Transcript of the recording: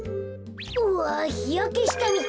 うわひやけしたみたい。